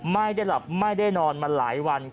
ไม่ได้หลับไม่ได้นอนมาหลายวัน